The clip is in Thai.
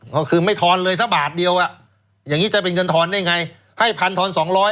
ก็คือไม่ทอนเลยสักบาทเดียวอ่ะอย่างนี้จะเป็นเงินทอนได้ไงให้พันทอน๒๐๐